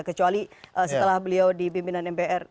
kecuali setelah beliau di pimpinan mpr